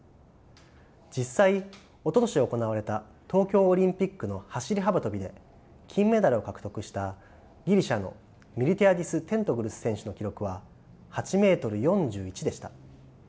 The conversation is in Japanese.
実際おととし行われた東京オリンピックの走り幅跳びで金メダルを獲得したギリシャのミルティアディス・テントグル選手の記録は８ｍ４１でした。